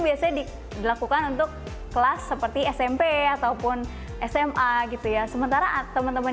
biasanya dilakukan untuk kelas seperti smp ataupun sma gitu ya sementara teman teman